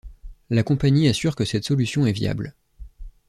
La compagnie assure que cette solution est viable.